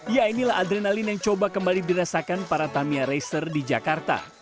ya inilah adrenalin yang coba kembali dirasakan para tamia racer di jakarta